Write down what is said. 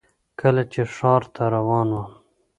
کله چې ښار ته روان وم .